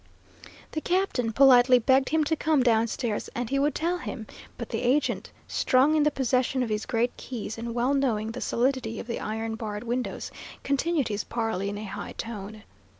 The captain politely begged him to come downstairs and he would tell him; but the agent, strong in the possession of his great keys, and well knowing the solidity of the iron barred windows, continued his parley in a high tone.